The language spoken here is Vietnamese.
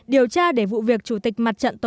điều tra để vụ việc chủ tịch mặt trận tổ quốc